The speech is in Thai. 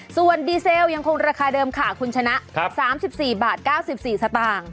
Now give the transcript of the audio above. ส่วนดีเซลยังคงราคาเดิมค่ะคุณชนะ๓๔บาท๙๔สตางค์